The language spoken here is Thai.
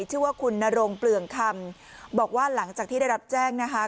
ชื่อว่าคุณนรงเปลืองคำบอกว่าหลังจากที่ได้รับแจ้งนะคะ